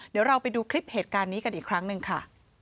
เดี๋ยวเราไปดูคลิปเหตุการณ์นี้กันอีกครั้งหนึ่งค่ะ